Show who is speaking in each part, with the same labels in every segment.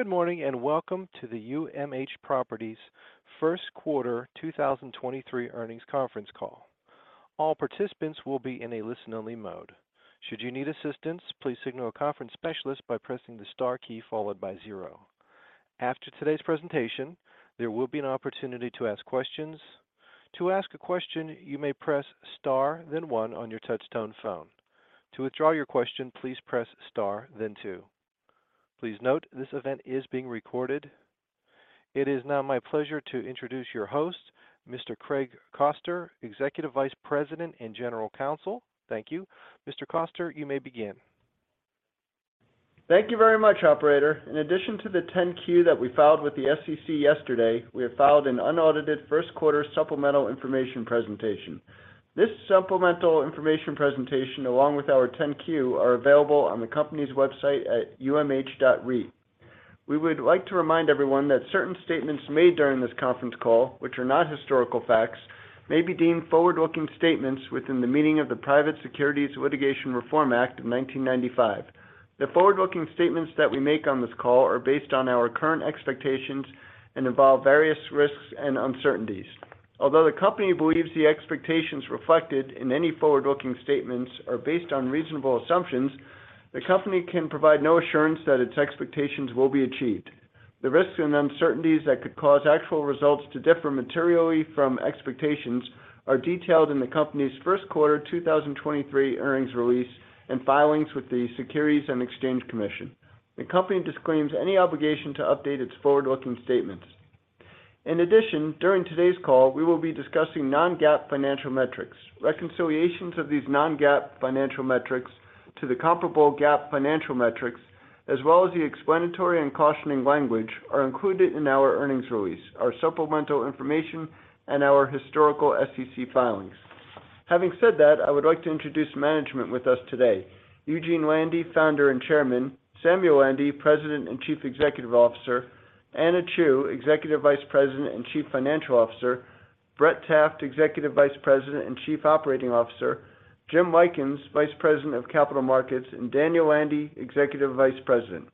Speaker 1: Good morning, welcome to the UMH Properties first quarter 2023 earnings conference call. All participants will be in a listen-only mode. Should you need assistance, please signal a conference specialist by pressing the star key followed by zero. After today's presentation, there will be an opportunity to ask questions. To ask a question, you may press Star then one on your touchtone phone. To withdraw your question, please press Star then two. Please note, this event is being recorded. It is now my pleasure to introduce your host, Mr. Craig Koster, Executive Vice President and General Counsel. Thank you. Mr. Koster, you may begin.
Speaker 2: Thank you very much, operator. In addition to the 10-Q that we filed with the SEC yesterday, we have filed an unaudited first quarter supplemental information presentation. This supplemental information presentation, along with our 10-Q, are available on the company's website at umh.reit. We would like to remind everyone that certain statements made during this conference call, which are not historical facts, may be deemed forward-looking statements within the meaning of the Private Securities Litigation Reform Act of 1995. The forward-looking statements that we make on this call are based on our current expectations and involve various risks and uncertainties. Although the Company believes the expectations reflected in any forward-looking statements are based on reasonable assumptions, the Company can provide no assurance that its expectations will be achieved. The risks and uncertainties that could cause actual results to differ materially from expectations are detailed in the Company's first quarter 2023 earnings release and filings with the Securities and Exchange Commission. The Company disclaims any obligation to update its forward-looking statements. In addition, during today's call, we will be discussing non-GAAP financial metrics. Reconciliations of these non-GAAP financial metrics to the comparable GAAP financial metrics, as well as the explanatory and cautioning language, are included in our earnings release, our supplemental information, and our historical SEC filings. Having said that, I would like to introduce management with us today. Eugene Landy, Founder and Chairman, Samuel Landy, President and Chief Executive Officer, Anna Chew, Executive Vice President and Chief Financial Officer, Brett Taft, Executive Vice President and Chief Operating Officer, Jim Lykins, Vice President of Capital Markets, and Daniel Landy, Executive Vice President.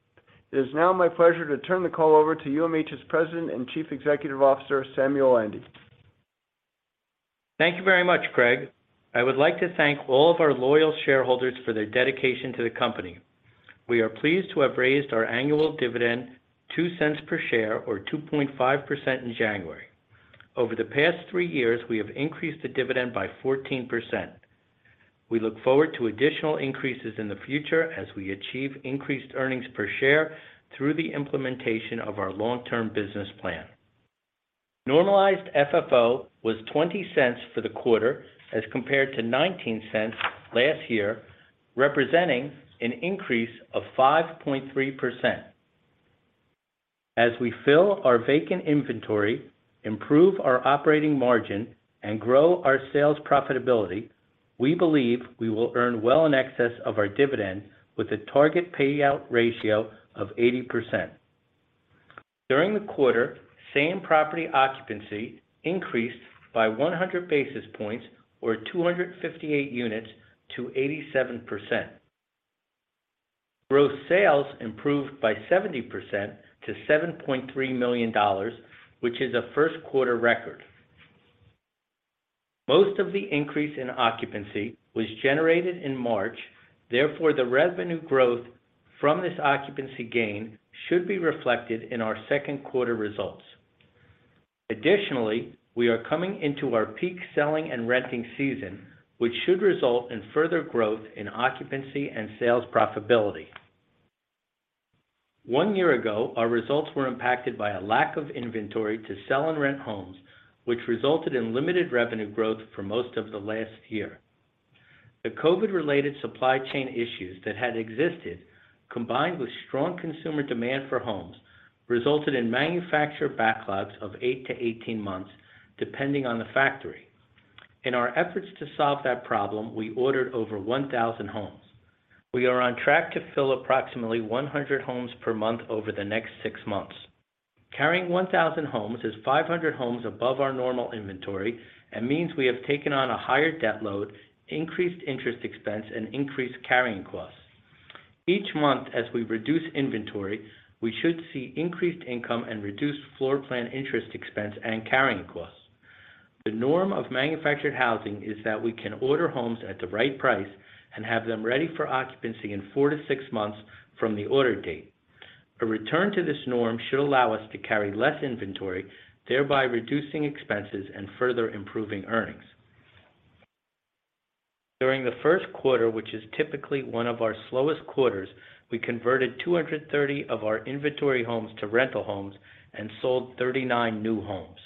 Speaker 2: It is now my pleasure to turn the call over to UMH's President and Chief Executive Officer, Samuel Landy.
Speaker 3: Thank you very much, Craig. I would like to thank all of our loyal shareholders for their dedication to the company. We are pleased to have raised our annual dividend $0.02 per share or 2.5% in January. Over the past three years, we have increased the dividend by 14%. We look forward to additional increases in the future as we achieve increased earnings per share through the implementation of our long-term business plan. Normalized FFO was $0.20 for the quarter as compared to $0.19 last year, representing an increase of 5.3%. As we fill our vacant inventory, improve our operating margin, and grow our sales profitability, we believe we will earn well in excess of our dividend with a target payout ratio of 80%. During the quarter, same property occupancy increased by 100 basis points or 258 units to 87%. Gross sales improved by 70% to $7.3 million, which is a first quarter record. Most of the increase in occupancy was generated in March. Therefore, the revenue growth from this occupancy gain should be reflected in our second quarter results. Additionally, we are coming into our peak selling and renting season, which should result in further growth in occupancy and sales profitability. One year ago, our results were impacted by a lack of inventory to sell and rent homes, which resulted in limited revenue growth for most of the last year. The COVID-related supply chain issues that had existed, combined with strong consumer demand for homes, resulted in manufacturer backlogs of 8-18 months, depending on the factory. In our efforts to solve that problem, we ordered over 1,000 homes. We are on track to fill approximately 100 homes per month over the next six months. Carrying 1,000 homes is 500 homes above our normal inventory and means we have taken on a higher debt load, increased interest expense, and increased carrying costs. Each month as we reduce inventory, we should see increased income and reduced floor plan interest expense and carrying costs. The norm of manufactured housing is that we can order homes at the right price and have them ready for occupancy in 4 to 6 months from the order date. A return to this norm should allow us to carry less inventory, thereby reducing expenses and further improving earnings. During the first quarter, which is typically one of our slowest quarters, we converted 230 of our inventory homes to rental homes and sold 39 new homes.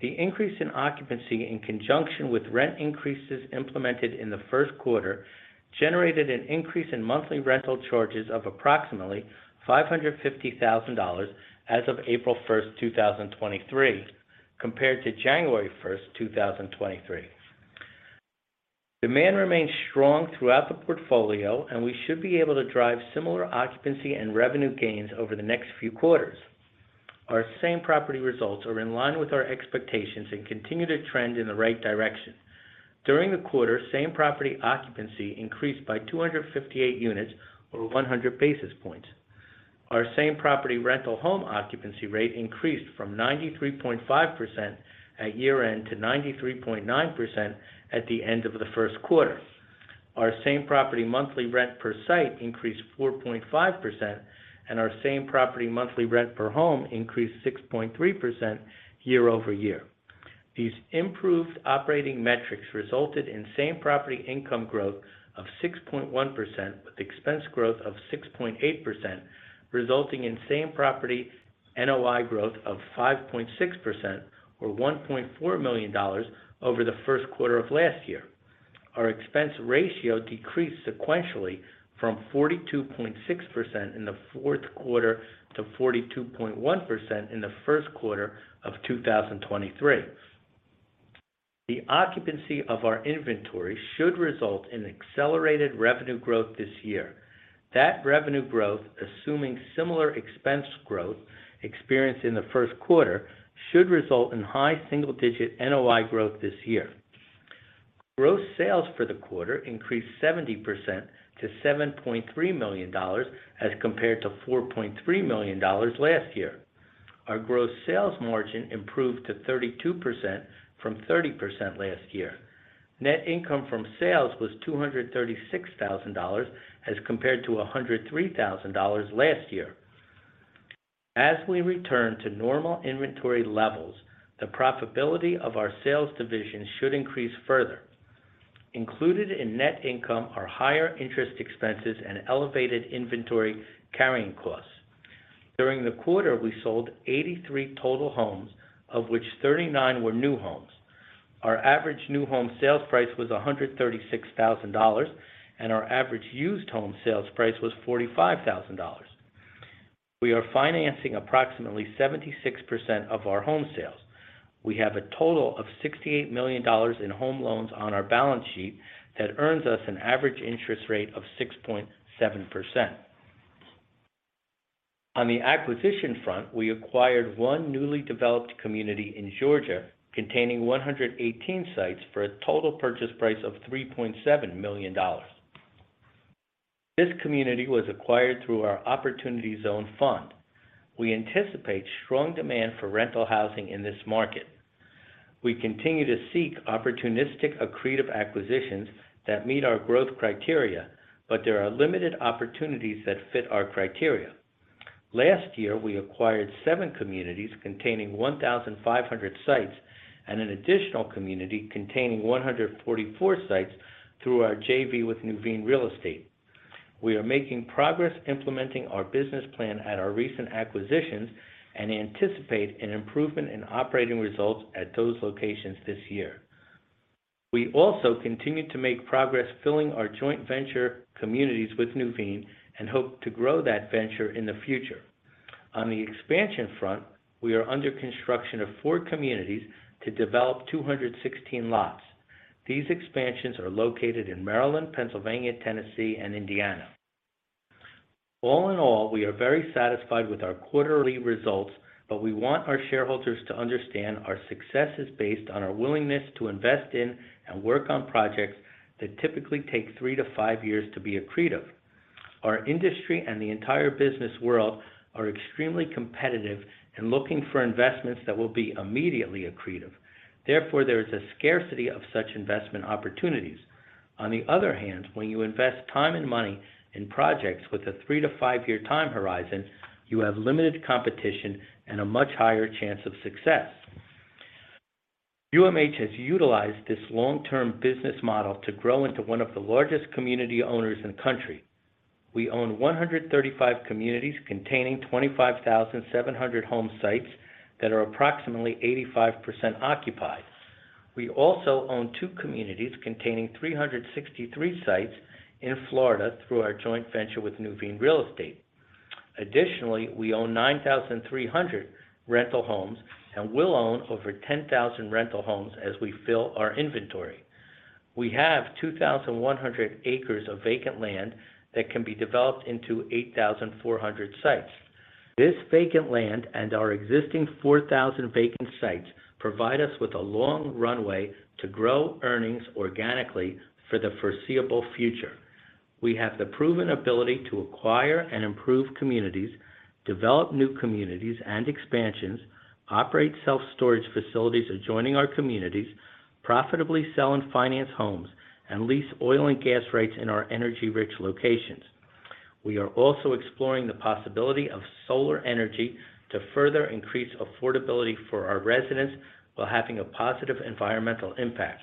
Speaker 3: The increase in occupancy in conjunction with rent increases implemented in the first quarter generated an increase in monthly rental charges of approximately $550,000 as of April 1st, 2023 compared to January 1st, 2023. Demand remains strong throughout the portfolio, and we should be able to drive similar occupancy and revenue gains over the next few quarters. Our same property results are in line with our expectations and continue to trend in the right direction. During the quarter, same property occupancy increased by 258 units or 100 basis points. Our same property rental home occupancy rate increased from 93.5% at year-end to 93.9% at the end of the first quarter. Our same property monthly rent per site increased 4.5% and our same property monthly rent per home increased 6.3% year-over-year. These improved operating metrics resulted in same property income growth of 6.1% with expense growth of 6.8%, resulting in same property NOI growth of 5.6% or $1.4 million over the first quarter of last year. Our expense ratio decreased sequentially from 42.6% in the fourth quarter to 42.1% in the first quarter of 2023. The occupancy of our inventory should result in accelerated revenue growth this year. That revenue growth, assuming similar expense growth experienced in the first quarter, should result in high single-digit NOI growth this year. Gross sales for the quarter increased 70% to $7.3 million as compared to $4.3 million last year. Our gross sales margin improved to 32% from 30% last year. Net income from sales was $236,000 as compared to $103,000 last year. As we return to normal inventory levels, the profitability of our sales division should increase further. Included in net income are higher interest expenses and elevated inventory carrying costs. During the quarter, we sold 83 total homes, of which 39 were new homes. Our average new home sales price was $136,000, and our average used home sales price was $45,000. We are financing approximately 76% of our home sales. We have a total of $68 million in home loans on our balance sheet that earns us an average interest rate of 6.7%. On the acquisition front, we acquired one newly developed community in Georgia containing 118 sites for a total purchase price of $3.7 million. This community was acquired through our Opportunity Zone Fund. We anticipate strong demand for rental housing in this market. We continue to seek opportunistic, accretive acquisitions that meet our growth criteria, but there are limited opportunities that fit our criteria. Last year, we acquired seven communities containing 1,500 sites and an additional community containing 144 sites through our JV with Nuveen Real Estate. We are making progress implementing our business plan at our recent acquisitions and anticipate an improvement in operating results at those locations this year. We also continue to make progress filling our joint venture communities with Nuveen and hope to grow that venture in the future. On the expansion front, we are under construction of four communities to develop 216 lots. These expansions are located in Maryland, Pennsylvania, Tennessee, and Indiana. All in all, we are very satisfied with our quarterly results, but we want our shareholders to understand our success is based on our willingness to invest in and work on projects that typically take three to five years to be accretive. Our industry and the entire business world are extremely competitive in looking for investments that will be immediately accretive. Therefore, there is a scarcity of such investment opportunities. On the other hand, when you invest time and money in projects with a three to five-year time horizon, you have limited competition and a much higher chance of success. UMH has utilized this long-term business model to grow into one of the largest community owners in the country. We own 135 communities containing 25,700 home sites that are approximately 85% occupied. We also own two communities containing 363 sites in Florida through our joint venture with Nuveen Real Estate. Additionally, we own 9,300 rental homes and will own over 10,000 rental homes as we fill our inventory. We have 2,100 acres of vacant land that can be developed into 8,400 sites. This vacant land and our existing 4,000 vacant sites provide us with a long runway to grow earnings organically for the foreseeable future. We have the proven ability to acquire and improve communities, develop new communities and expansions, operate self-storage facilities adjoining our communities, profitably sell and finance homes, and lease oil and gas rates in our energy-rich locations. We are also exploring the possibility of solar energy to further increase affordability for our residents while having a positive environmental impact.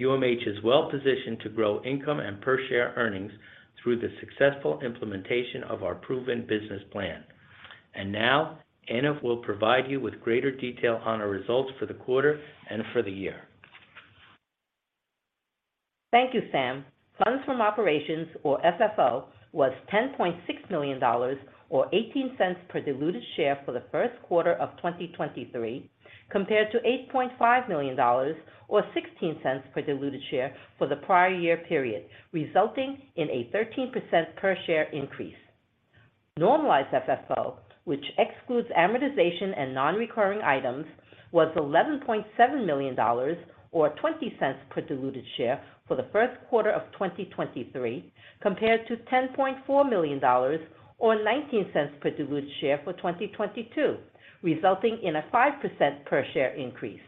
Speaker 3: UMH is well positioned to grow income and per share earnings through the successful implementation of our proven business plan. Now Anna will provide you with greater detail on our results for the quarter and for the year.
Speaker 4: Thank you, Sam. Funds from operations or FFO was $10.6 million or $0.18 per diluted share for the first quarter of 2023, compared to $8.5 million or $0.16 per diluted share for the prior year period, resulting in a 13% per share increase. Normalized FFO, which excludes amortization and nonrecurring items, was $11.7 million or $0.20 per diluted share for the first quarter of 2023, compared to $10.4 million or $0.19 per diluted share for 2022, resulting in a 5% per share increase.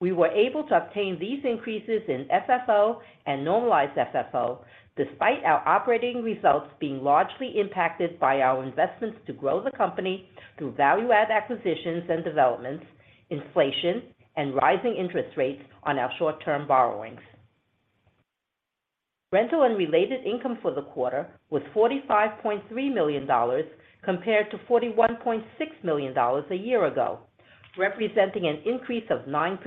Speaker 4: We were able to obtain these increases in FFO and Normalized FFO despite our operating results being largely impacted by our investments to grow the company through value-add acquisitions and developments, inflation, and rising interest rates on our short-term borrowings. Rental and related income for the quarter was $45.3 million compared to $41.6 million a year ago, representing an increase of 9%.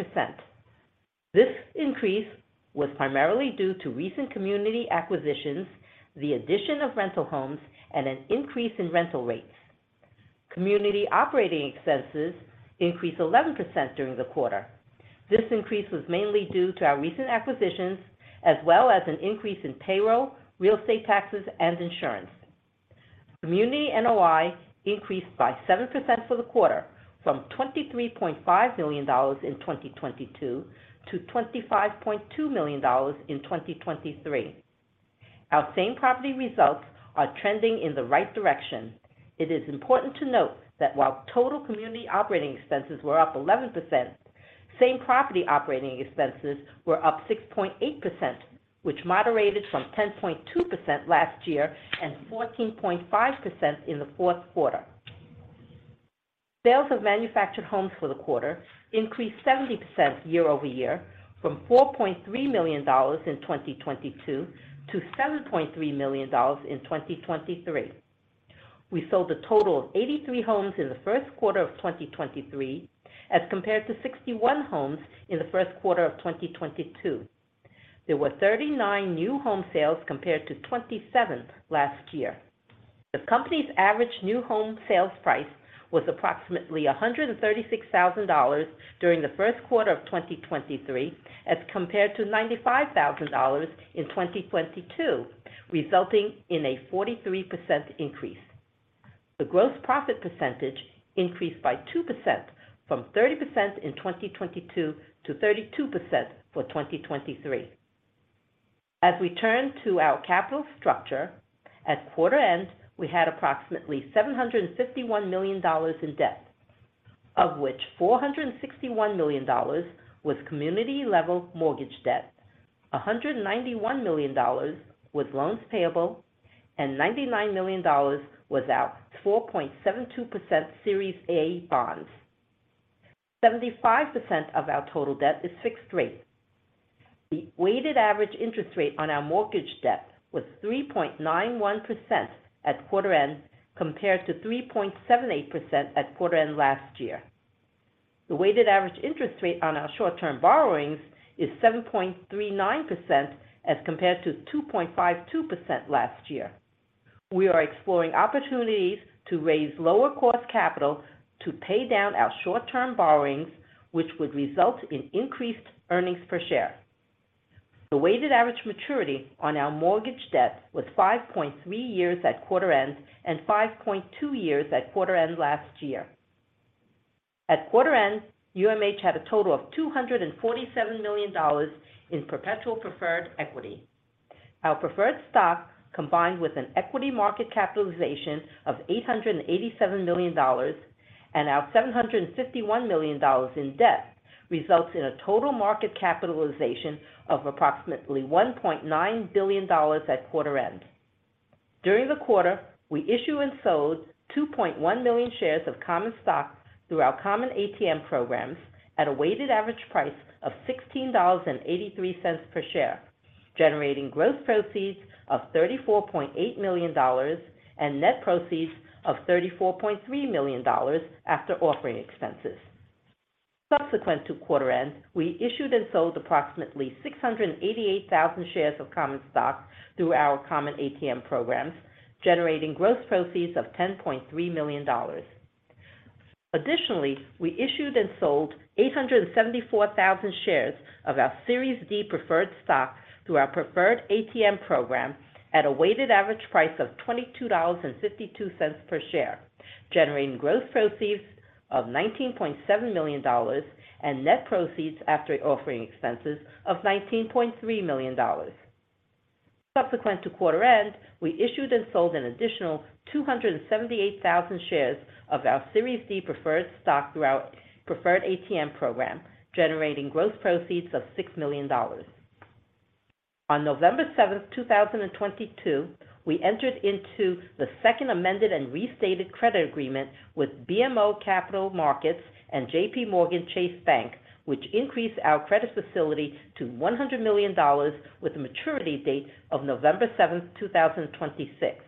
Speaker 4: This increase was primarily due to recent community acquisitions, the addition of rental homes, and an increase in rental rates. Community operating expenses increased 11% during the quarter. This increase was mainly due to our recent acquisitions as well as an increase in payroll, real estate taxes, and insurance. Community NOI increased by 7% for the quarter from $23.5 million in 2022 to $25.2 million in 2023. Our same property results are trending in the right direction. It is important to note that while total community operating expenses were up 11%, same property operating expenses were up 6.8%, which moderated from 10.2% last year and 14.5% in the fourth quarter. Sales of manufactured homes for the quarter increased 70% year-over-year from $4.3 million in 2022 to $7.3 million in 2023. We sold a total of 83 homes in the first quarter of 2023 as compared to 61 homes in the first quarter of 2022. There were 39 new home sales compared to 27 last year. The company's average new home sales price was approximately $136,000 during the first quarter of 2023 as compared to $95,000 in 2022, resulting in a 43% increase. The gross profit percentage increased by 2% from 30% in 2022 to 32% for 2023. We turn to our capital structure, at quarter end, we had approximately $751 million in debt, of which $461 million was community level mortgage debt, $191 million was loans payable, and $99 million was our 4.72% Series A Bonds. 75% of our total debt is fixed rate. The weighted average interest rate on our mortgage debt was 3.91% at quarter end compared to 3.78% at quarter end last year. The weighted average interest rate on our short-term borrowings is 7.39% as compared to 2.52% last year. We are exploring opportunities to raise lower cost capital to pay down our short-term borrowings, which would result in increased earnings per share. The weighted average maturity on our mortgage debt was 5.3 years at quarter end and 5.2 years at quarter end last year. At quarter end, UMH had a total of $247 million in perpetual preferred equity. Our preferred stock, combined with an equity market capitalization of $887 million and our $751 million in debt, results in a total market capitalization of approximately $1.9 billion at quarter end. During the quarter, we issued and sold 2.1 million shares of common stock through our common ATM programs at a weighted average price of $16.83 per share, generating gross proceeds of $34.8 million and net proceeds of $34.3 million after offering expenses. Subsequent to quarter end, we issued and sold approximately 688,000 shares of common stock through our common ATM programs, generating gross proceeds of $10.3 million. Additionally, we issued and sold 874,000 shares of our Series D preferred stock through our preferred ATM program at a weighted average price of $22.52 per share, generating gross proceeds of $19.7 million and net proceeds after offering expenses of $19.3 million. Subsequent to quarter end, we issued and sold an additional 278,000 shares of our Series D preferred stock through our preferred ATM program, generating gross proceeds of $6 million. On November 7th, 2022, we entered into the second amended and restated credit agreement with BMO Capital Markets and JPMorgan Chase Bank, N.A., which increased our credit facility to $100 million with a maturity date of November 7th, 2026.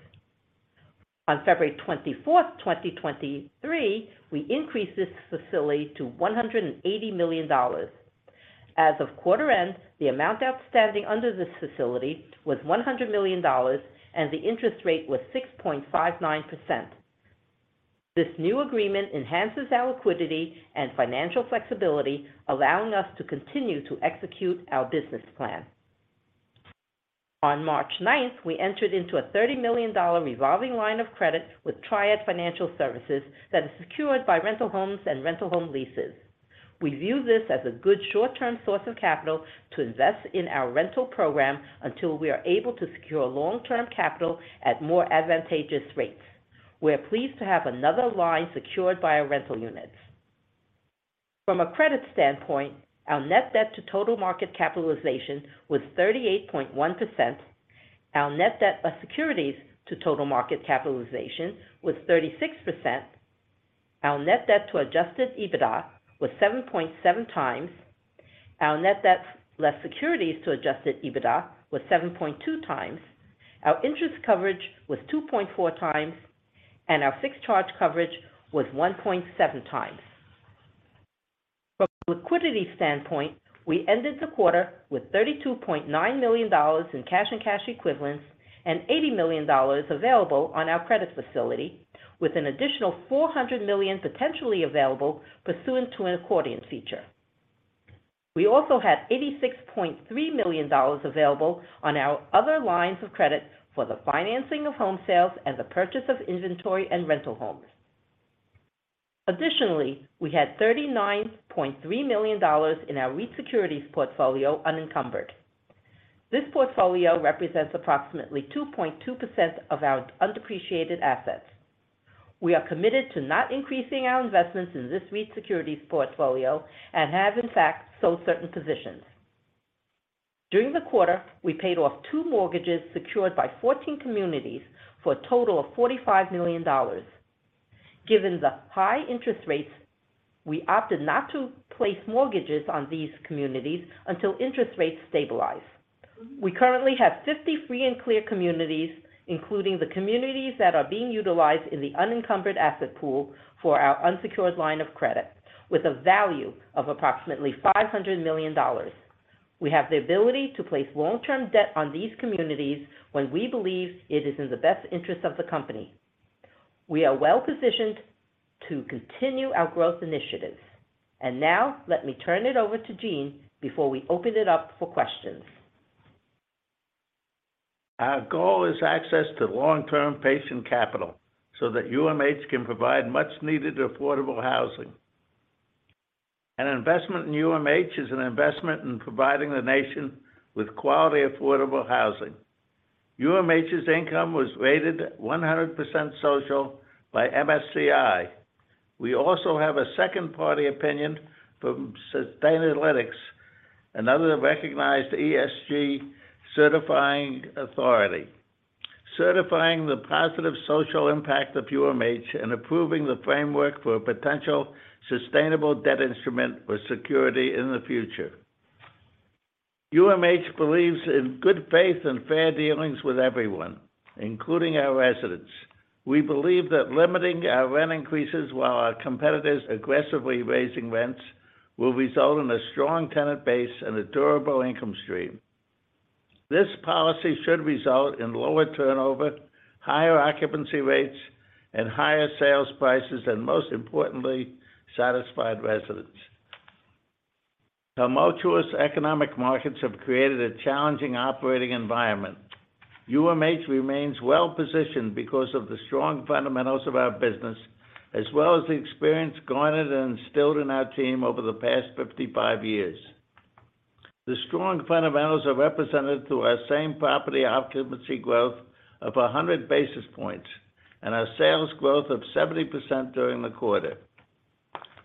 Speaker 4: On February 24th, 2023, we increased this facility to $180 million. As of quarter end, the amount outstanding under this facility was $100 million, and the interest rate was 6.59%. This new agreement enhances our liquidity and financial flexibility, allowing us to continue to execute our business plan. On March 9th, we entered into a $30 million revolving line of credit with Triad Financial Services that is secured by rental homes and rental home leases. We view this as a good short-term source of capital to invest in our rental program until we are able to secure long-term capital at more advantageous rates. We're pleased to have another line secured by our rental units. From a credit standpoint, our net debt to total market capitalization was 38.1%. Our net debt plus securities to total market capitalization was 36%. Our net debt to adjusted EBITDA was 7.7 times. Our net debt less securities to adjusted EBITDA was 7.2 times. Our interest coverage was 2.4 times, and our fixed charge coverage was 1.7 times. From a liquidity standpoint, we ended the quarter with $32.9 million in cash and cash equivalents and $80 million available on our credit facility, with an additional $400 million potentially available pursuant to an accordion feature. We also had $86.3 million available on our other lines of credit for the financing of home sales and the purchase of inventory and rental homes. We had $39.3 million in our REIT securities portfolio unencumbered. This portfolio represents approximately 2.2% of our undepreciated assets. We are committed to not increasing our investments in this REIT securities portfolio and have, in fact, sold certain positions. During the quarter, we paid off two mortgages secured by 14 communities for a total of $45 million. Given the high interest rates, we opted not to place mortgages on these communities until interest rates stabilize. We currently have 50 free and clear communities, including the communities that are being utilized in the unencumbered asset pool for our unsecured line of credit, with a value of approximately $500 million. We have the ability to place long-term debt on these communities when we believe it is in the best interest of the company. We are well-positioned to continue our growth initiatives. Now let me turn it over to Gene before we open it up for questions.
Speaker 5: Our goal is access to long-term patient capital so that UMH can provide much needed affordable housing. An investment in UMH is an investment in providing the nation with quality, affordable housing. UMH's income was rated 100% social by MSCI. We also have a second party opinion from Sustainalytics, another recognized ESG certifying authority, certifying the positive social impact of UMH and approving the framework for a potential sustainable debt instrument for security in the future. UMH believes in good faith and fair dealings with everyone, including our residents. We believe that limiting our rent increases while our competitors aggressively raising rents will result in a strong tenant base and a durable income stream. This policy should result in lower turnover, higher occupancy rates, and higher sales prices, and most importantly, satisfied residents. Tumultuous economic markets have created a challenging operating environment. UMH remains well-positioned because of the strong fundamentals of our business, as well as the experience garnered and instilled in our team over the past 55 years. The strong fundamentals are represented through our same property occupancy growth of 100 basis points and our sales growth of 70% during the quarter.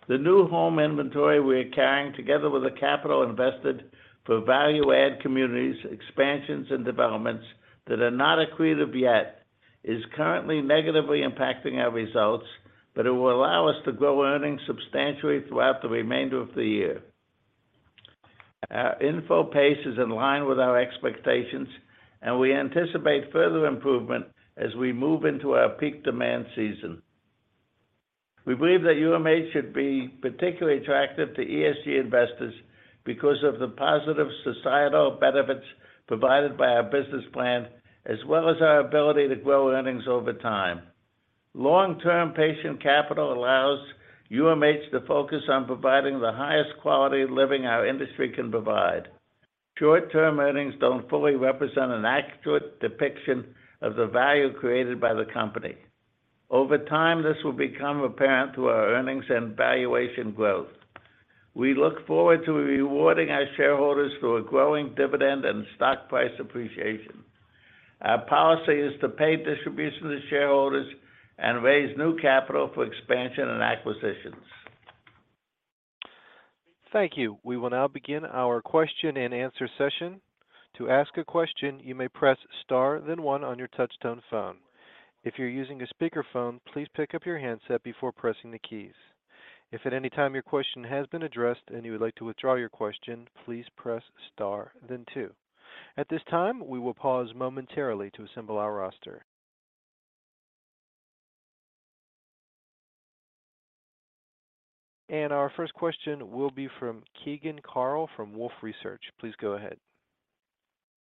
Speaker 5: The new home inventory we're carrying, together with the capital invested for value add communities, expansions, and developments that are not accretive yet, is currently negatively impacting our results, but it will allow us to grow earnings substantially throughout the remainder of the year. Our infill pace is in line with our expectations, and we anticipate further improvement as we move into our peak demand season. We believe that UMH should be particularly attractive to ESG investors because of the positive societal benefits provided by our business plan, as well as our ability to grow earnings over time. Long-term patient capital allows UMH to focus on providing the highest quality of living our industry can provide. Short-term earnings don't fully represent an accurate depiction of the value created by the company. Over time, this will become apparent through our earnings and valuation growth. We look forward to rewarding our shareholders through a growing dividend and stock price appreciation. Our policy is to pay distributions to shareholders and raise new capital for expansion and acquisitions.
Speaker 1: Thank you. We will now begin our question and answer session. To ask a question, you may press star then one on your touch-tone phone. If you're using a speakerphone, please pick up your handset before pressing the keys. If at any time your question has been addressed and you would like to withdraw your question, please press star then two. At this time, we will pause momentarily to assemble our roster. Our first question will be from Keegan Carl from Wolfe Research. Please go ahead.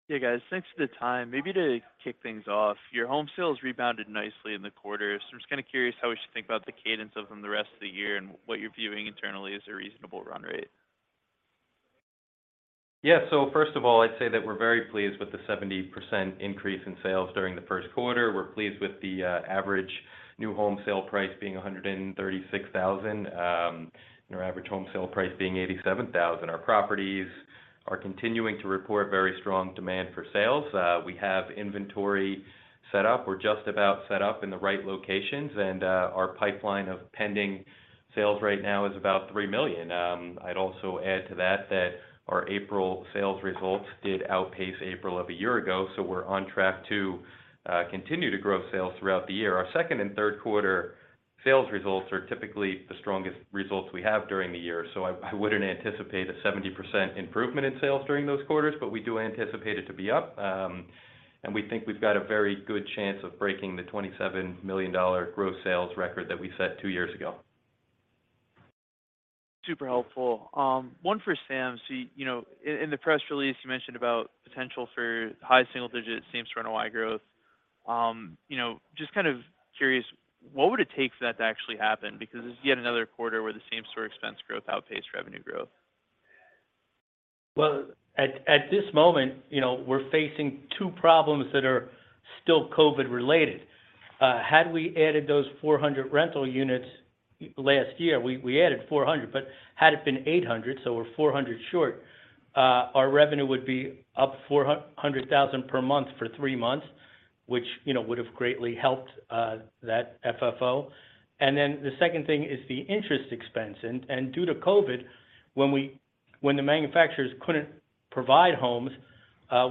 Speaker 6: Hey, guys. Thanks for the time. Maybe to kick things off, your home sales rebounded nicely in the quarter. I'm just kind of curious how we should think about the cadence of them the rest of the year and what you're viewing internally as a reasonable run rate?
Speaker 7: First of all, I'd say that we're very pleased with the 70% increase in sales during the first quarter. We're pleased with the average new home sale price being $136,000, and our average home sale price being $87,000. Our properties are continuing to report very strong demand for sales. We have inventory set up. We're just about set up in the right locations, our pipeline of pending sales right now is about $3 million. I'd also add to that our April sales results did outpace April of a year ago, we're on track to continue to grow sales throughout the year. Our second and third quarter sales results are typically the strongest results we have during the year. I wouldn't anticipate a 70% improvement in sales during those quarters. We do anticipate it to be up. We think we've got a very good chance of breaking the $27 million gross sales record that we set two years ago.
Speaker 6: Super helpful. One for Sam. You know, in the press release, you mentioned about potential for high single-digit same-store NOI growth. You know, just kind of curious, what would it take for that to actually happen? Because this is yet another quarter where the same-store expense growth outpaced revenue growth.
Speaker 3: Well, at this moment, you know, we're facing two problems that are still COVID related. Had we added those 400 rental units last year, we added 400, but had it been 800, so we're 400 short, our revenue would be up $400 thousand per month for three months, which, you know, would have greatly helped that FFO. The second thing is the interest expense. Due to COVID, when the manufacturers couldn't provide homes,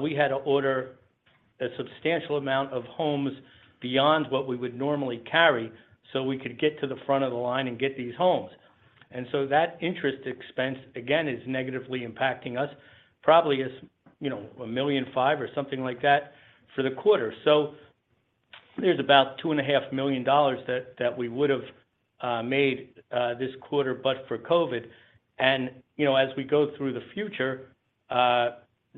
Speaker 3: we had to order a substantial amount of homes beyond what we would normally carry, so we could get to the front of the line and get these homes. That interest expense, again, is negatively impacting us probably as, you know, $1.5 million or something like that for the quarter. There's about two and a half million dollars that we would have made this quarter, but for COVID. You know, as we go through the future,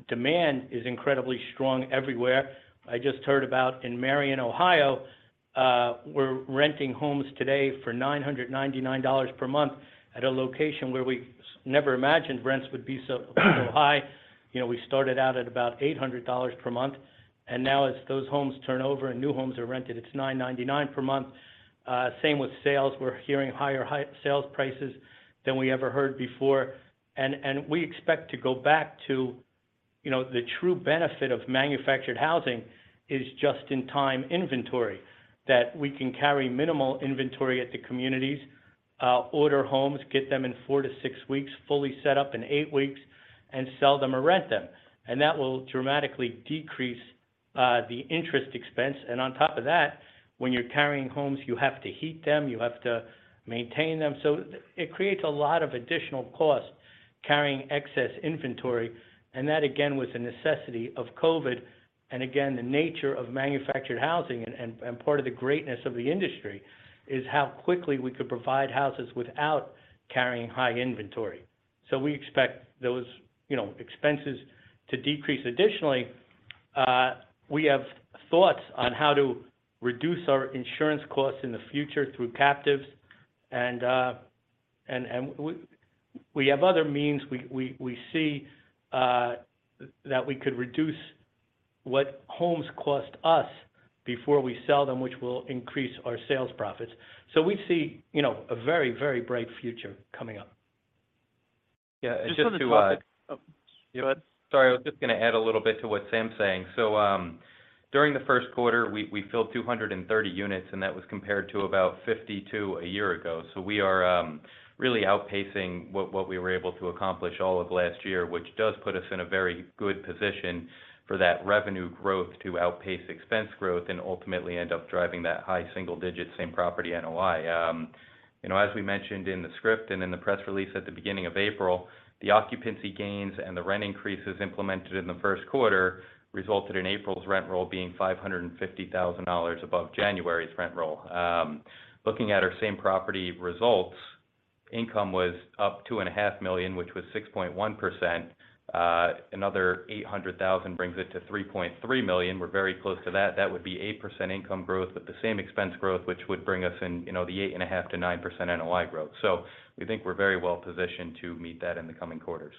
Speaker 3: demand is incredibly strong everywhere. I just heard about in Marion, Ohio, we're renting homes today for $999 per month at a location where we never imagined rents would be so high. You know, we started out at about $800 per month. As those homes turn over and new homes are rented, it's $999 per month. Same with sales. We're hearing higher high sales prices than we ever heard before. We expect to go back to... You know, the true benefit of manufactured housing is just-in-time inventory that we can carry minimal inventory at the communities, order homes, get them in four to six weeks, fully set up in eight weeks, and sell them or rent them. That will dramatically decrease the interest expense. On top of that, when you're carrying homes, you have to heat them, you have to maintain them. It creates a lot of additional cost carrying excess inventory. That, again, was a necessity of COVID. Again, the nature of manufactured housing and part of the greatness of the industry is how quickly we could provide houses without carrying high inventory. We expect those, you know, expenses to decrease. Additionally, we have thoughts on how to reduce our insurance costs in the future through captives. We have other means we see, that we could reduce what homes cost us before we sell them, which will increase our sales profits. We see, you know, a very, very bright future coming up.
Speaker 7: Yeah. just to
Speaker 6: Just on the topic... Oh. You go ahead.
Speaker 7: Sorry. I was just gonna add a little bit to what Sam's saying. During the first quarter, we filled 230 units, and that was compared to about 52 a year ago. We are really outpacing what we were able to accomplish all of last year, which does put us in a very good position for that revenue growth to outpace expense growth and ultimately end up driving that high single digit same property NOI. You know, as we mentioned in the script and in the press release at the beginning of April, the occupancy gains and the rent increases implemented in the first quarter resulted in April's rent roll being $550,000 above January's rent roll. looking at our same property results, income was up two and a half million, which was 6.1%. another $800,000 brings it to $3.3 million. We're very close to that. That would be 8% income growth with the same expense growth, which would bring us in, you know, the eight and a half to 9% NOI growth. we think we're very well positioned to meet that in the coming quarters.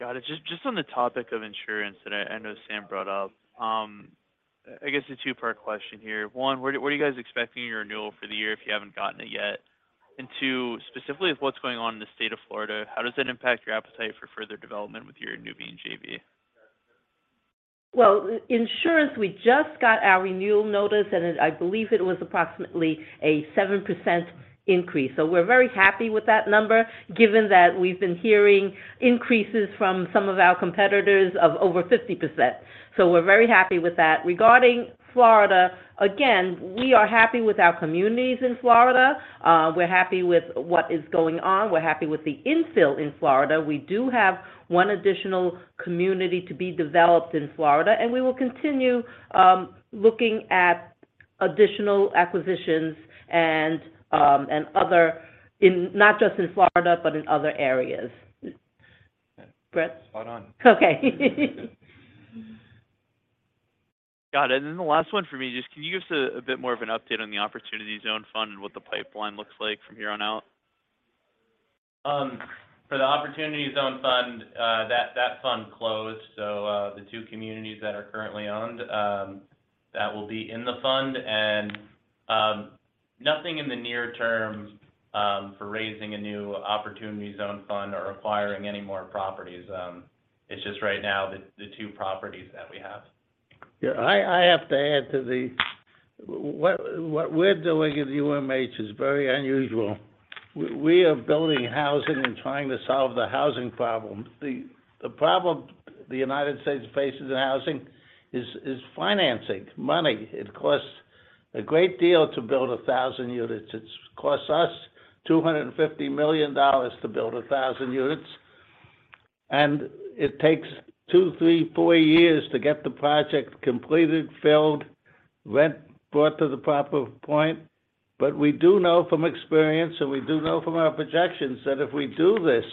Speaker 6: Got it. Just on the topic of insurance that I know Sam brought up, I guess a two-part question here. One, where are you guys expecting your renewal for the year if you haven't gotten it yet? Two, specifically with what's going on in the state of Florida, how does that impact your appetite for further development with your Nuveen JV?
Speaker 4: Insurance, we just got our renewal notice, and I believe it was approximately a 7% increase. We're very happy with that number given that we've been hearing increases from some of our competitors of over 50%. We're very happy with that. Regarding Florida, again, we are happy with our communities in Florida. We're happy with what is going on. We're happy with the infill in Florida. We do have one additional community to be developed in Florida, and we will continue looking at additional acquisitions and other not just in Florida, but in other areas.
Speaker 5: Brett?
Speaker 8: Spot on.
Speaker 5: Okay.
Speaker 6: Got it. The last one for me, just can you give us a bit more of an update on the Opportunity Zone Fund and what the pipeline looks like from here on out?
Speaker 8: For the Opportunity Zone Fund, that fund closed. The two communities that are currently owned, that will be in the fund and nothing in the near term for raising a new Opportunity Zone Fund or acquiring any more properties. It's just right now the two properties that we have.
Speaker 5: Yeah. What we're doing at UMH is very unusual. We are building housing and trying to solve the housing problem. The problem the United States faces in housing is financing, money. It costs a great deal to build 1,000 units. It costs us $250 million to build 1,000 units. It takes two, three, four years to get the project completed, filled, rent brought to the proper point. We do know from experience, and we do know from our projections, that if we do this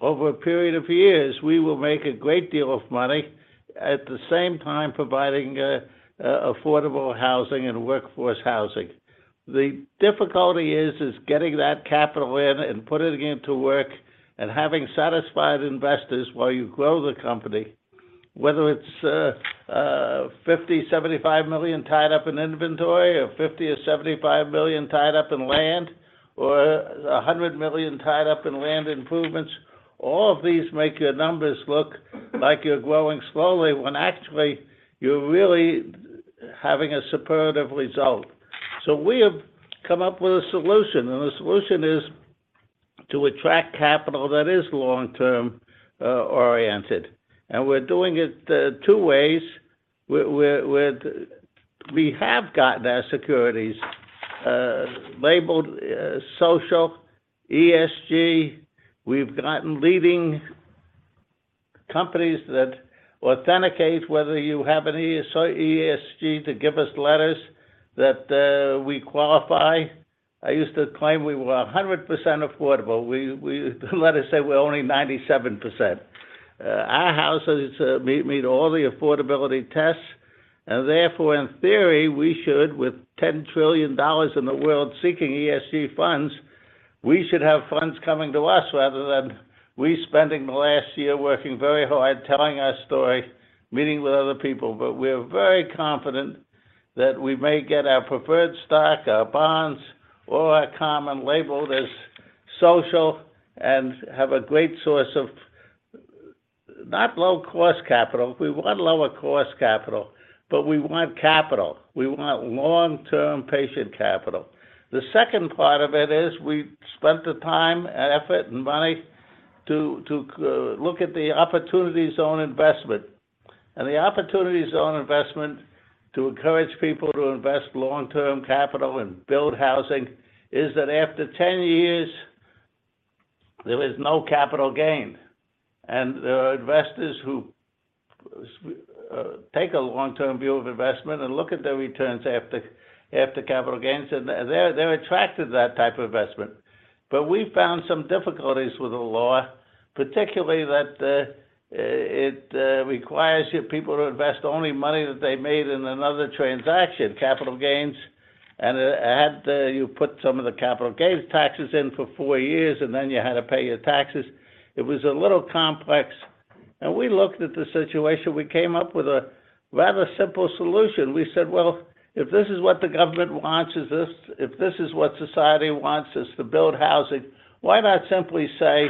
Speaker 5: over a period of years, we will make a great deal of money, at the same time providing affordable housing and workforce housing. The difficulty is getting that capital in and putting it into work and having satisfied investors while you grow the company, whether it's $50 million-$75 million tied up in inventory or $50 million or $75 million tied up in land or $100 million tied up in land improvements, all of these make your numbers look like you're growing slowly when actually you're really having a superlative result. We have come up with a solution, the solution is to attract capital that is long-term, oriented. We're doing it, two ways. We have gotten our securities, labeled, social, ESG. We've gotten leading companies that authenticate whether you have any ESG to give us letters that, we qualify. I used to claim we were 100% affordable. We let us say we're only 97%. Our houses meet all the affordability tests. Therefore, in theory, we should, with $10 trillion in the world seeking ESG funds, we should have funds coming to us rather than we spending the last year working very hard, telling our story, meeting with other people. We're very confident that we may get our preferred stock, our bonds, or our common labeled as social and have a great source of, not low cost capital. We want lower cost capital, but we want capital. We want long-term patient capital. The second part of it is we spent the time and effort and money to look at the Opportunity Zone investment. The Opportunity Zone investment to encourage people to invest long-term capital and build housing is that after 10 years, there is no capital gain. There are investors who take a long-term view of investment and look at their returns after capital gains, they're attracted to that type of investment. We found some difficulties with the law, particularly that it requires you, people to invest only money that they made in another transaction, capital gains. It had, you put some of the capital gains taxes in for four years, and then you had to pay your taxes. It was a little complex. We looked at the situation. We came up with a rather simple solution. We said, "Well, if this is what the government wants us, if this is what society wants us to build housing, why not simply say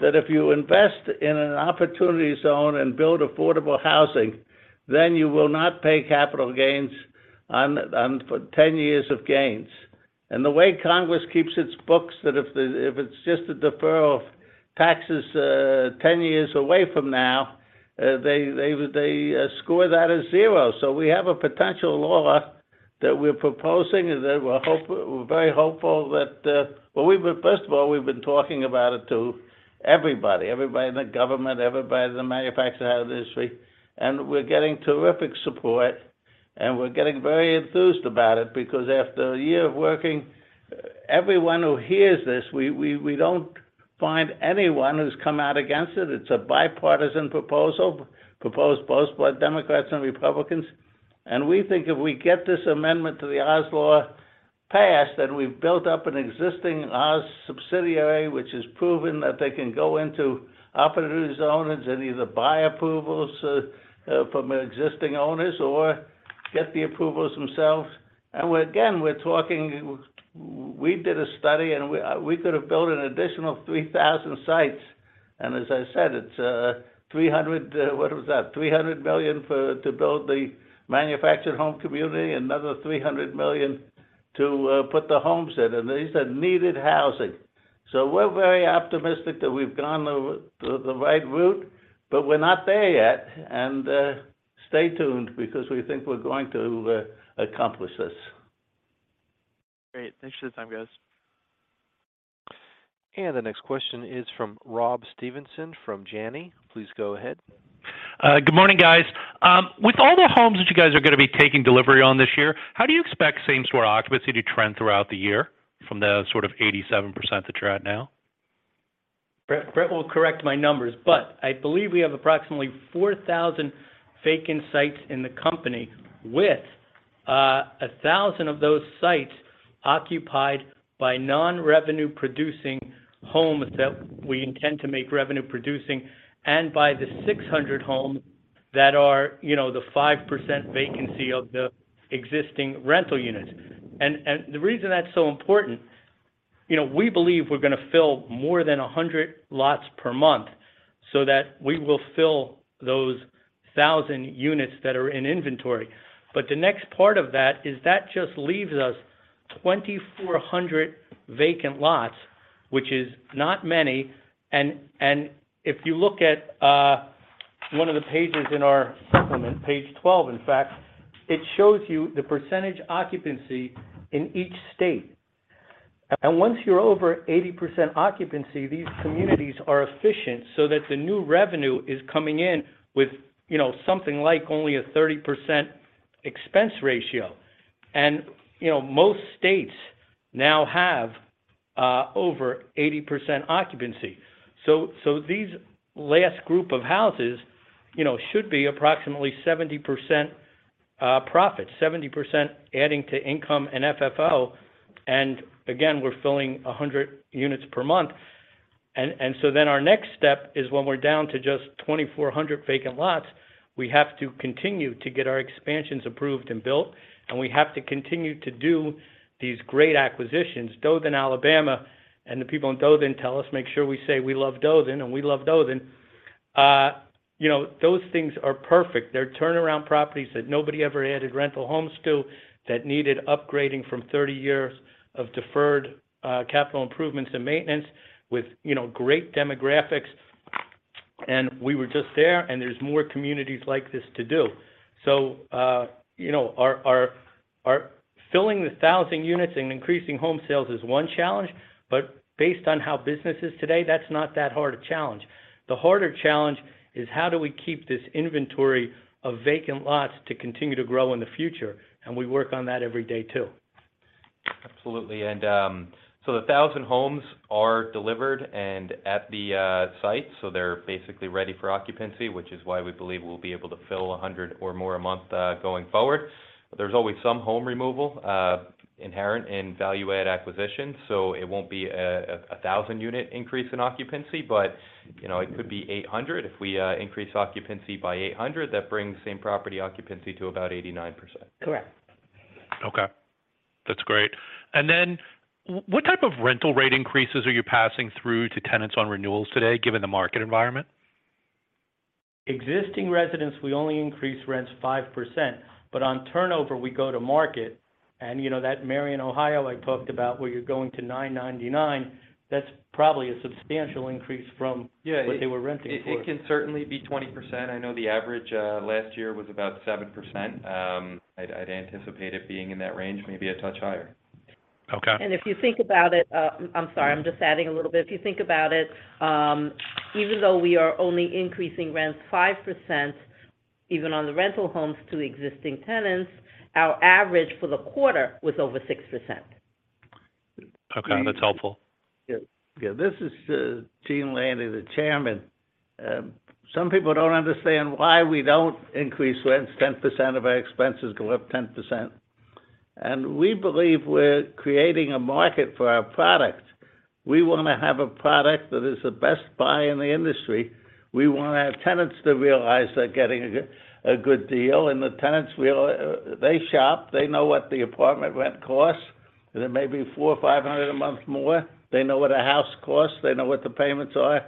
Speaker 5: that if you invest in an Opportunity Zone and build affordable housing, then you will not pay capital gains on for 10 years of gains?" The way Congress keeps its books, that if the, if it's just a deferral of taxes, 10 years away from now, they score that as 0. We have a potential law that we're proposing, and that we're very hopeful that. Well, first of all, we've been talking about it to everybody. Everybody in the government, everybody in the manufactured housing industry. We're getting terrific support, and we're getting very enthused about it because after a year of working, everyone who hears this, we don't find anyone who's come out against it. It's a bipartisan proposal, proposed both by Democrats and Republicans. We think if we get this amendment to the OZ Law passed, and we've built up an existing OZ subsidiary, which has proven that they can go into Opportunity Zones and either buy approvals from existing owners or get the approvals themselves. Again, we're talking... We did a study and we could have built an additional 3,000 sites. As I said, it's 300, what was that? $300 million for, to build the manufactured home community, another $300 million to put the homes in. These are needed housing. We're very optimistic that we've gone the right route, but we're not there yet. Stay tuned because we think we're going to accomplish this.
Speaker 6: Great. Thanks for the time, guys.
Speaker 1: The next question is from Rob Stevenson from Janney. Please go ahead.
Speaker 9: Good morning, guys. With all the homes that you guys are gonna be taking delivery on this year, how do you expect same store occupancy to trend throughout the year from the sort of 87% that you're at now?
Speaker 3: Brett will correct my numbers, but I believe we have approximately 4,000 vacant sites in the company with a 1,000 of those sites occupied by non-revenue producing homes that we intend to make revenue producing and by the 600 homes that are, you know, the 5% vacancy of the existing rental units. The reason that's so important, you know, we believe we're gonna fill more than 100 lots per month so that we will fill those 1,000 units that are in inventory. The next part of that is that just leaves us 2,400 vacant lots, which is not many. If you look at one of the pages in our supplement, page 12, in fact, it shows you the percentage occupancy in each state. Once you're over 80% occupancy, these communities are efficient so that the new revenue is coming in with, you know, something like only a 30% expense ratio. You know, most states now have over 80% occupancy. These last group of houses, you know, should be approximately 70% profit, 70% adding to income and FFO. Again, we're filling 100 units per month. So then our next step is when we're down to just 2,400 vacant lots, we have to continue to get our expansions approved and built, and we have to continue to do these great acquisitions. Dothan, Alabama, and the people in Dothan tell us, "Make sure we say we love Dothan," and we love Dothan. You know, those things are perfect. They're turnaround properties that nobody ever added rental homes to, that needed upgrading from 30 years of deferred, capital improvements and maintenance with, you know, great demographics. We were just there, and there's more communities like this to do. You know, our filling the 1,000 units and increasing home sales is one challenge, but based on how business is today, that's not that hard a challenge. The harder challenge is how do we keep this inventory of vacant lots to continue to grow in the future? We work on that every day, too.
Speaker 7: Absolutely. The 1,000 homes are delivered and at the site, so they're basically ready for occupancy, which is why we believe we'll be able to fill 100 or more a month going forward. There's always some home removal inherent in value add acquisition. It won't be a 1,000 unit increase in occupancy, but, you know, it could be 800. If we increase occupancy by 800, that brings same property occupancy to about 89%.
Speaker 3: Correct.
Speaker 9: Okay. That's great. What type of rental rate increases are you passing through to tenants on renewals today, given the market environment?
Speaker 3: Existing residents, we only increase rents 5%, but on turnover, we go to market. You know, that Marion, Ohio, I talked about where you're going to $999, that's probably a substantial increase from.
Speaker 7: Yeah
Speaker 3: what they were renting for.
Speaker 7: It can certainly be 20%. I know the average last year was about 7%. I'd anticipate it being in that range, maybe a touch higher.
Speaker 9: Okay.
Speaker 4: If you think about it, I'm sorry, I'm just adding a little bit. If you think about it, even though we are only increasing rents 5%, even on the rental homes to existing tenants, our average for the quarter was over 6%.
Speaker 9: Okay. That's helpful.
Speaker 3: Yeah.
Speaker 5: Yeah. This is Gene Landy, the chairman. Some people don't understand why we don't increase rents 10% if our expenses go up 10%. We believe we're creating a market for our product. We wanna have a product that is the best buy in the industry. We wanna have tenants to realize they're getting a good deal, and the tenants. They shop, they know what the apartment rent costs. It may be $400 or $500 a month more. They know what a house costs. They know what the payments are.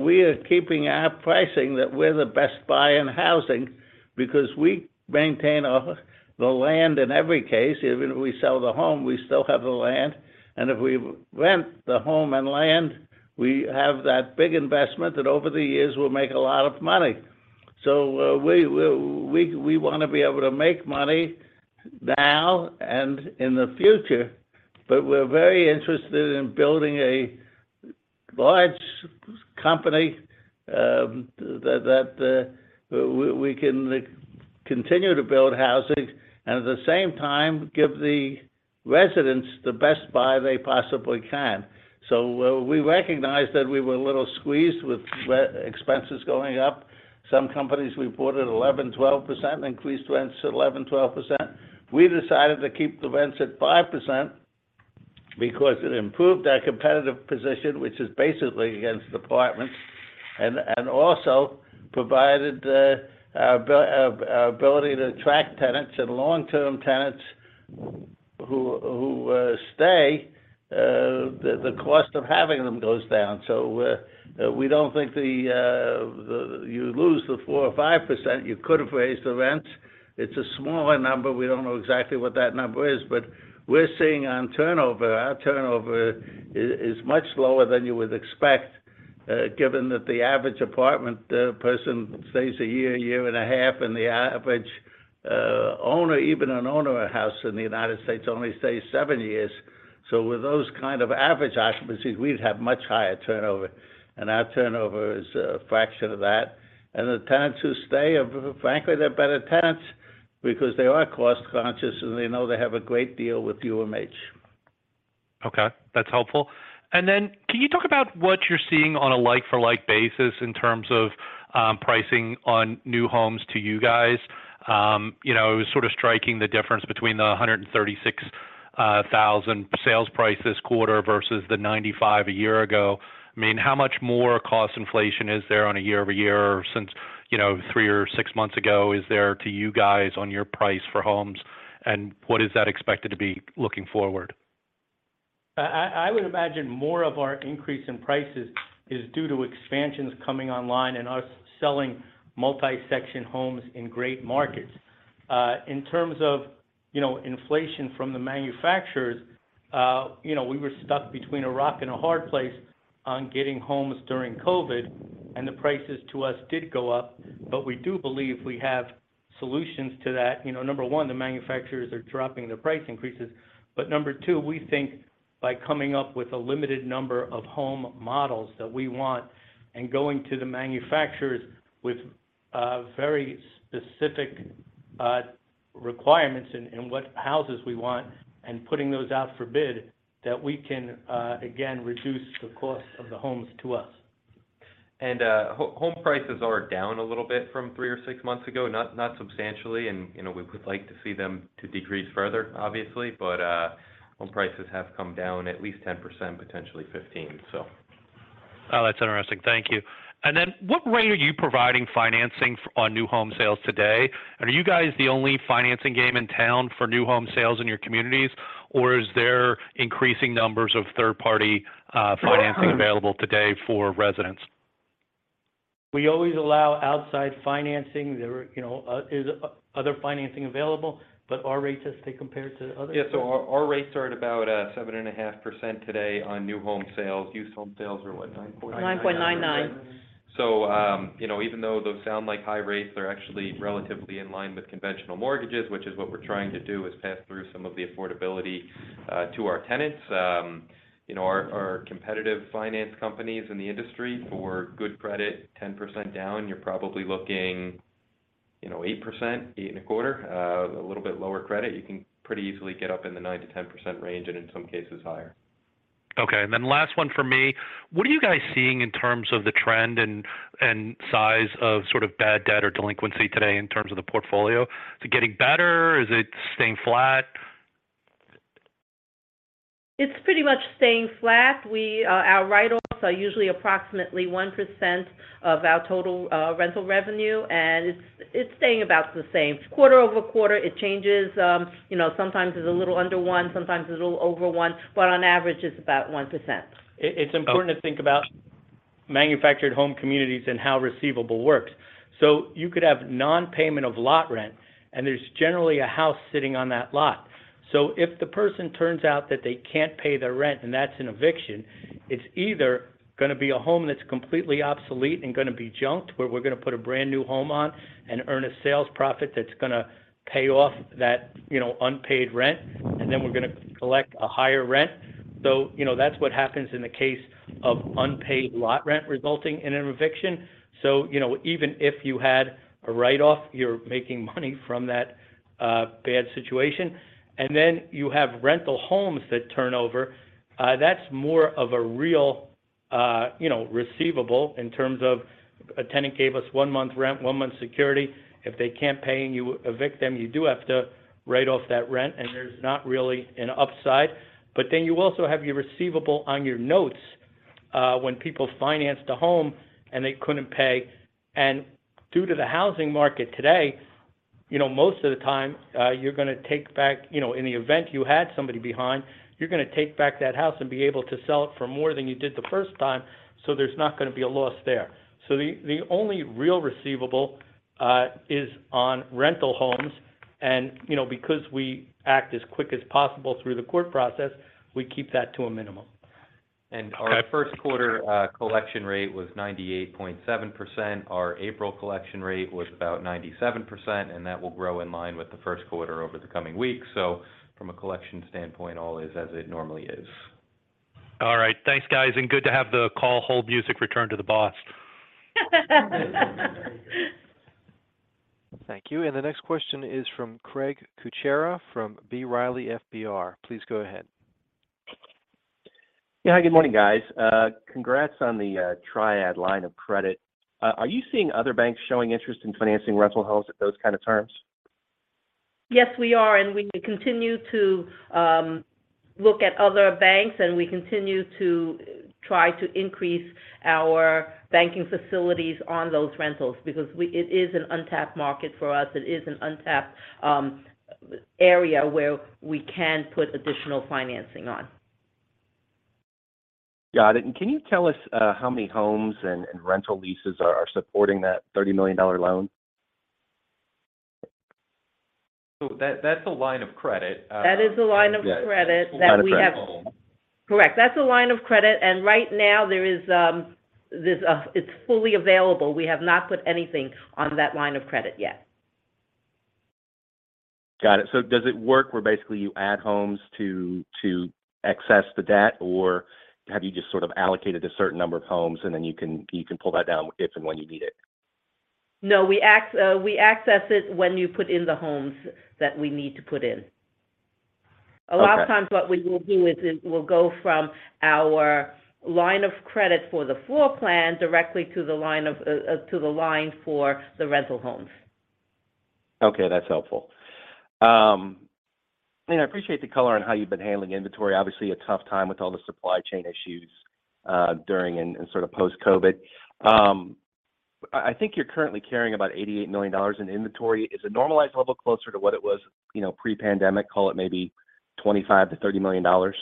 Speaker 5: We are keeping our pricing that we're the best buy in housing because we maintain our, the land in every case. Even if we sell the home, we still have the land. If we rent the home and land, we have that big investment that over the years will make a lot of money. We want to be able to make money now and in the future, but we're very interested in building a large company that we can continue to build housing and at the same time give the residents the best buy they possibly can. We recognize that we were a little squeezed with re-expenses going up. Some companies reported 11%-12%, increased rents to 11%-12%. We decided to keep the rents at 5% because it improved our competitive position, which is basically against apartments, and also provided our ability to attract tenants and long-term tenants who stay, the cost of having them goes down. We don't think. You lose the 4% or 5%, you could have raised the rent. It's a smaller number. We don't know exactly what that number is, but we're seeing on turnover, our turnover is much lower than you would expect, given that the average apartment person stays a year and a half, and the average Owner, even an owner of a house in the United States only stays seven years. With those kind of average occupancies, we'd have much higher turnover, and our turnover is a fraction of that. The tenants who stay, frankly, they're better tenants because they are cost-conscious, and they know they have a great deal with UMH.
Speaker 9: Okay, that's helpful. Can you talk about what you're seeing on a like-for-like basis in terms of pricing on new homes to you guys? You know, it was sort of striking the difference between the $136,000 sales price this quarter versus the $95,000 a year ago. I mean, how much more cost inflation is there on a year-over-year since, you know, three or six months ago, is there to you guys on your price for homes, and what is that expected to be looking forward?
Speaker 3: I would imagine more of our increase in prices is due to expansions coming online and us selling multi-section homes in great markets. In terms of, you know, inflation from the manufacturers, you know, we were stuck between a rock and a hard place on getting homes during COVID, and the prices to us did go up. We do believe we have solutions to that. You know, number one, the manufacturers are dropping their price increases. Number two, we think by coming up with a limited number of home models that we want and going to the manufacturers with, very specific, requirements in what houses we want and putting those out for bid, that we can, again, reduce the cost of the homes to us.
Speaker 7: Home prices are down a little bit from three or four months ago, not substantially. You know, we would like to see them to decrease further, obviously. Home prices have come down at least 10%, potentially 15%, so.
Speaker 9: Oh, that's interesting. Thank you. What rate are you providing financing on new home sales today? Are you guys the only financing game in town for new home sales in your communities, or is there increasing numbers of third-party, financing available today for residents?
Speaker 3: We always allow outside financing. There, you know, is other financing available, but our rates, as they compare to others.
Speaker 7: Our, our rates are at about 7.5% today on new home sales. Used home sales are, what, 9.9%?
Speaker 3: 9.99.
Speaker 7: You know, even though those sound like high rates, they're actually relatively in line with conventional mortgages, which is what we're trying to do is pass through some of the affordability to our tenants. You know, our competitive finance companies in the industry for good credit, 10% down, you're probably looking, you know, 8%, 8.25%. A little bit lower credit, you can pretty easily get up in the 9%-10% range and in some cases higher.
Speaker 9: Okay. Last one from me. What are you guys seeing in terms of the trend and size of sort of bad debt or delinquency today in terms of the portfolio? Is it getting better? Is it staying flat?
Speaker 4: It's pretty much staying flat. We, our write-offs are usually approximately 1% of our total rental revenue, and it's staying about the same. Quarter-over-quarter, it changes. You know, sometimes it's a little under 1%, sometimes it's a little over 1%, but on average it's about 1%.
Speaker 3: It's important to think about manufactured home communities and how receivable works. You could have non-payment of lot rent, there's generally a house sitting on that lot. If the person turns out that they can't pay their rent and that's an eviction, it's either gonna be a home that's completely obsolete and gonna be junked, where we're gonna put a brand-new home on and earn a sales profit that's gonna pay off that, you know, unpaid rent, and then we're gonna collect a higher rent. You know, that's what happens in the case of unpaid lot rent resulting in an eviction. You know, even if you had a write-off, you're making money from that bad situation. You have rental homes that turn over. That's more of a real, you know, receivable in terms of a tenant gave us one month rent, one month security. If they can't pay and you evict them, you do have to write off that rent, and there's not really an upside. You also have your receivable on your notes, when people financed a home and they couldn't pay. Due to the housing market today, you know, most of the time, you're gonna take back that house and be able to sell it for more than you did the first time, so there's not gonna be a loss there. The only real receivable is on rental homes. you know, because we act as quick as possible through the court process, we keep that to a minimum.
Speaker 7: Our first quarter collection rate was 98.7%. Our April collection rate was about 97%, and that will grow in line with the first quarter over the coming weeks. From a collection standpoint, all is as it normally is.
Speaker 9: All right. Thanks, guys. Good to have the call hold music return to the boss.
Speaker 1: Thank you. The next question is from Craig Kucera from B. Riley Securities. Please go ahead.
Speaker 10: Yeah. Hi. Good morning, guys. Congrats on the Triad line of credit. Are you seeing other banks showing interest in financing rental homes at those kind of terms?
Speaker 4: Yes, we are. We continue to look at other banks, and we continue to try to increase our banking facilities on those rentals because it is an untapped market for us. It is an untapped area where we can put additional financing on.
Speaker 10: Got it. Can you tell us, how many homes and rental leases are supporting that $30 million loan?
Speaker 7: That's a line of credit.
Speaker 4: That is a line of credit that we have... Correct. That's a line of credit. Right now it's fully available. We have not put anything on that line of credit yet.
Speaker 10: Got it. Does it work where basically you add homes to access the debt, or have you just sort of allocated a certain number of homes and then you can, you can pull that down if and when you need it?
Speaker 4: No. We access it when you put in the homes that we need to put in.
Speaker 10: Okay.
Speaker 4: A lot of times what we will do is it will go from our line of credit for the floor plan directly to the line for the rental homes.
Speaker 10: Okay, that's helpful. I appreciate the color on how you've been handling inventory. Obviously, a tough time with all the supply chain issues, during and sort of post-COVID. I think you're currently carrying about $88 million in inventory. Is a normalized level closer to what it was, you know, pre-pandemic, call it maybe $25 million-$30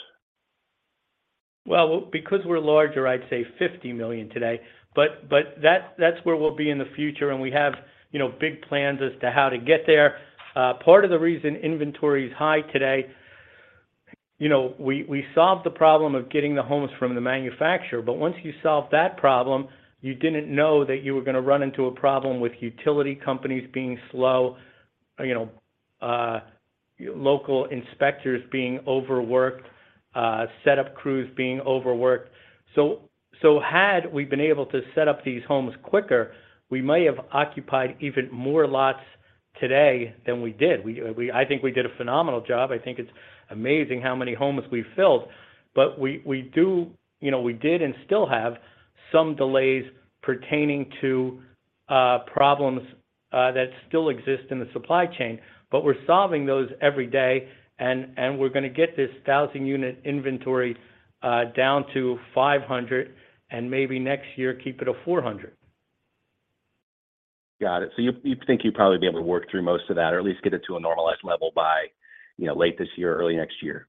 Speaker 10: million?
Speaker 3: Because we're larger, I'd say $50 million today. That's where we'll be in the future, and we have, you know, big plans as to how to get there. Part of the reason inventory is high today, you know, we solved the problem of getting the homes from the manufacturer, but once you solved that problem, you didn't know that you were gonna run into a problem with utility companies being slow, you know, local inspectors being overworked, setup crews being overworked. Had we been able to set up these homes quicker, we may have occupied even more lots today than we did. I think we did a phenomenal job. I think it's amazing how many homes we filled. We do... You know, we did and still have some delays pertaining to problems that still exist in the supply chain. We're solving those every day, and we're gonna get this 1,000-unit inventory down to 500, and maybe next year, keep it at 400.
Speaker 10: Got it. You think you'd probably be able to work through most of that or at least get it to a normalized level by, you know, late this year, early next year?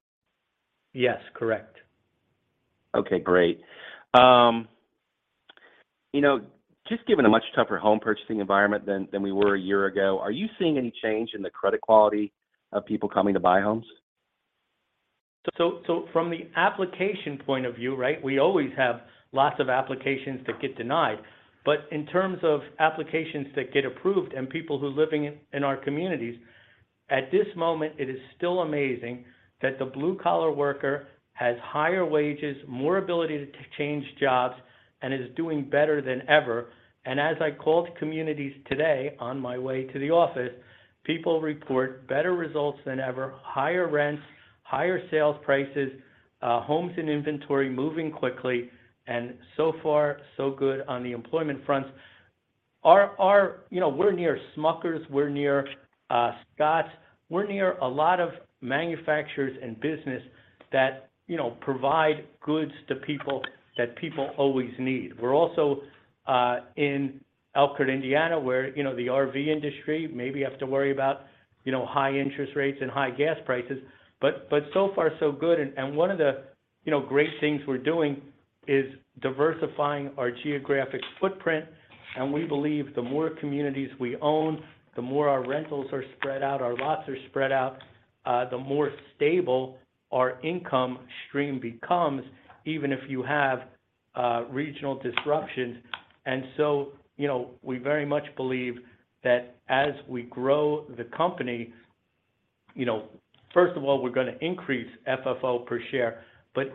Speaker 3: Yes, correct.
Speaker 10: Okay, great. you know, just given a much tougher home purchasing environment than we were a year ago, are you seeing any change in the credit quality of people coming to buy homes?
Speaker 3: From the application point of view, right, we always have lots of applications that get denied. In terms of applications that get approved and people who are living in our communities, at this moment, it is still amazing that the blue-collar worker has higher wages, more ability to change jobs, and is doing better than ever. As I called communities today on my way to the office, people report better results than ever, higher rents, higher sales prices, homes and inventory moving quickly, and so far so good on the employment front. You know, we're near Smucker's, we're near Scotts, we're near a lot of manufacturers and business that, you know, provide goods to people that people always need. We're also in Elkhart, Indiana, where, you know, the RV industry maybe have to worry about, you know, high interest rates and high gas prices. So far so good. One of the, you know, great things we're doing is diversifying our geographic footprint, and we believe the more communities we own, the more our rentals are spread out, our lots are spread out, the more stable our income stream becomes, even if you have regional disruptions. So, you know, we very much believe that as we grow the company, you know, first of all, we're gonna increase FFO per share.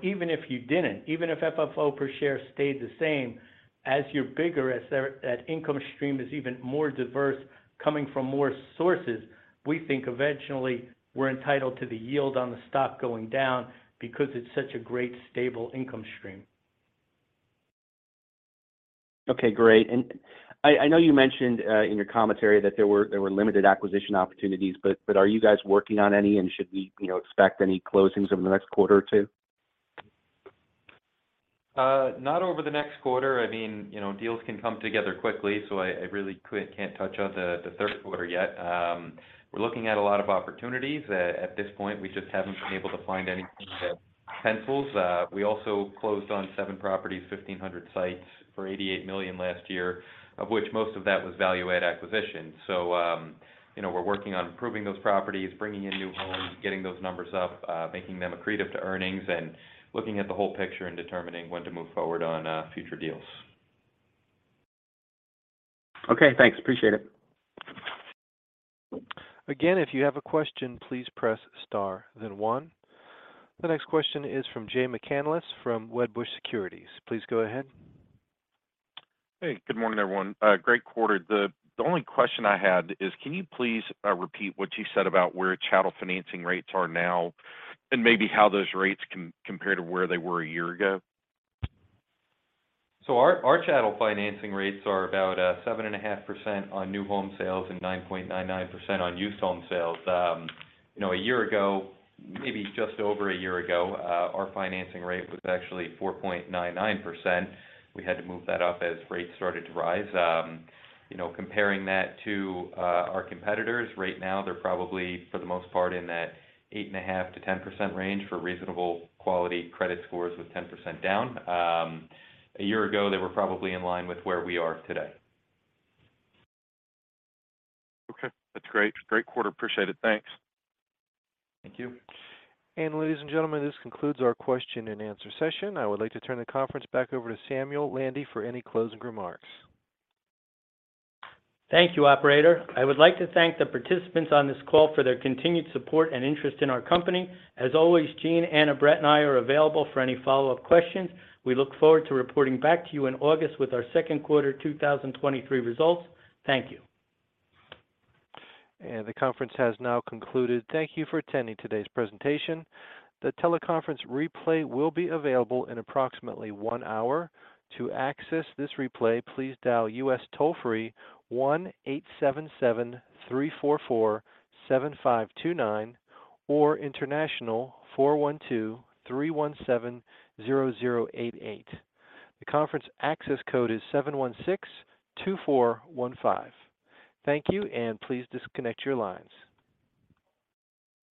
Speaker 3: Even if you didn't, even if FFO per share stayed the same, as you're bigger, as that income stream is even more diverse coming from more sources, we think eventually we're entitled to the yield on the stock going down because it's such a great stable income stream.
Speaker 10: Okay, great. I know you mentioned in your commentary that there were limited acquisition opportunities. Are you guys working on any, and should we, you know, expect any closings over the next quarter or two?
Speaker 7: Not over the next quarter. I mean, you know, deals can come together quickly, so I really can't touch on the third quarter yet. We're looking at a lot of opportunities. At this point, we just haven't been able to find anything that pencils. We also closed on seven properties, 1,500 sites for $88 million last year, of which most of that was value add acquisition. You know, we're working on improving those properties, bringing in new homes, getting those numbers up, making them accretive to earnings, and looking at the whole picture and determining when to move forward on future deals.
Speaker 10: Okay, thanks. Appreciate it.
Speaker 1: Again, if you have a question, please press star then one. The next question is from Jay McCanless from Wedbush Securities. Please go ahead.
Speaker 11: Hey, good morning, everyone. Great quarter. The only question I had is, can you please repeat what you said about where chattel financing rates are now and maybe how those rates compare to where they were a year ago?
Speaker 7: Our, our chattel financing rates are about 7.5% on new home sales and 9.99% on used home sales. You know, a year ago, maybe just over a year ago, our financing rate was actually 4.99%. We had to move that up as rates started to rise. You know, comparing that to our competitors, right now they're probably, for the most part, in that 8.5%-10% range for reasonable quality credit scores with 10% down. A year ago, they were probably in line with where we are today.
Speaker 11: Okay. That's great. Great quarter. Appreciate it. Thanks.
Speaker 7: Thank you.
Speaker 1: Ladies and gentlemen, this concludes our question and answer session. I would like to turn the conference back over to Samuel Landy for any closing remarks.
Speaker 3: Thank you, operator. I would like to thank the participants on this call for their continued support and interest in our company. As always, Gene, Anna, Brett, and I are available for any follow-up questions. We look forward to reporting back to you in August with our second quarter 2023 results. Thank you.
Speaker 1: The conference has now concluded. Thank you for attending today's presentation. The teleconference replay will be available in approximately one hour. To access this replay, please dial US toll-free 1-877-344-7529 or international 412-317-0088. The conference access code is 7162415. Thank you, and please disconnect your lines.